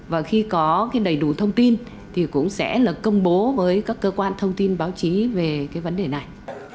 và khi có cái đầy đủ thông tin thì cũng sẽ là công bố với các cơ quan thông tin báo chí về cái vấn đề này